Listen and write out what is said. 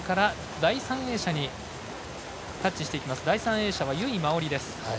第３泳者は由井真緒里です。